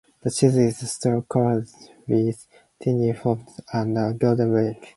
The cheese is straw-colored, with tiny holes and a golden rind.